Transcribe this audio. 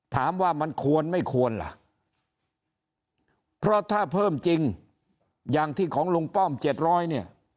ถามว่ามันควรไม่ควรล่ะเพราะถ้าเพิ่มจริงอย่างที่ของลุงป้อมเจ็ดร้อยเนี่ย